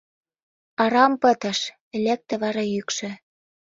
— Арам пытыш, — лекте вара йӱкшӧ.